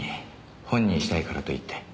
本にしたいからと言って。